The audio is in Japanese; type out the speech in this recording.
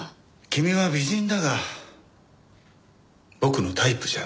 君は美人だが僕のタイプじゃない。